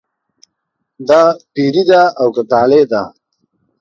دا پیري ده او که طالع ده.